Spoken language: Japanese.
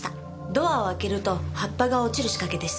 ドアを開けると葉っぱが落ちる仕掛けです。